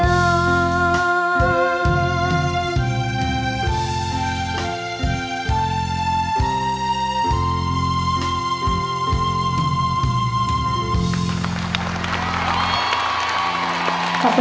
ดูเขาเล็ดดมชมเล่นด้วยใจเปิดเลิศ